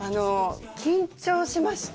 緊張しました。